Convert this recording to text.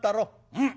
うん。